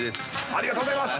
ありがとうございます。